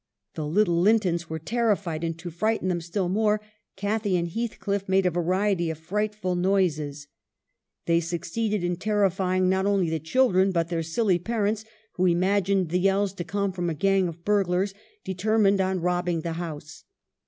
The little Lintons were terrified, and, to frighten them still more, Cathy and Heathcliff made a variety of frightful noises ; they succeeded in terrifying not only the children but their silly parents, who imagined the yells to come from a gang of bur glars, determined on robbing the house.